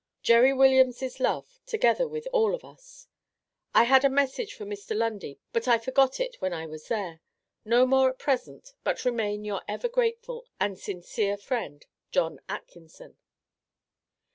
Jerry Williams' love, together with all of us. I had a message for Mr. Lundy, but I forgot it when I was there. No more at present, but remain your ever grateful and sincere friend, JOHN ATKINSON.